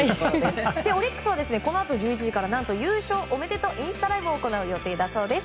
オリックスはこのあと１１時から「優勝おめでとインスタライブ」行うそうです。